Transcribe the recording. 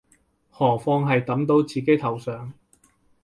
何況係揼到自己頭上